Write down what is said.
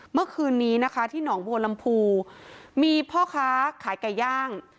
เมื่อคืนนี้นะคะที่หนองบัวลำพูมีพ่อค้าขายไก่ย่าง